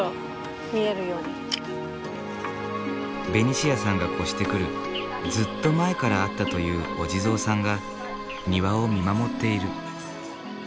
ベニシアさんが越してくるずっと前からあったというお地蔵さんが庭を見守っている。